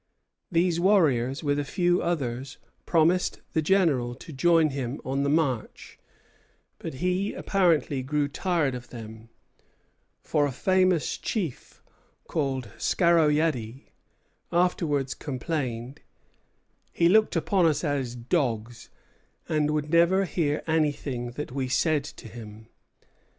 These warriors, with a few others, promised the General to join him on the march; but he apparently grew tired of them, for a famous chief, called Scarroyaddy, afterwards complained: "He looked upon us as dogs, and would never hear anything that we said to him."